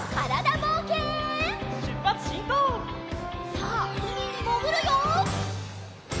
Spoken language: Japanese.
さあうみにもぐるよ！